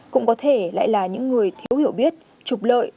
cũng có thể lại là những người thiếu hiểu biết trục lợi